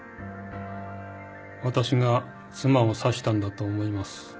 私が妻を刺したんだと思います。